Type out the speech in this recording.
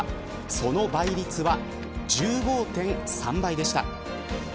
その倍率は１５．３倍でした。